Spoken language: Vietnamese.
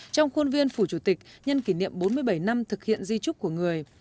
trong khuôn viên phủ chủ tịch nhân kỷ niệm bốn mươi bảy năm thực hiện di trúc của người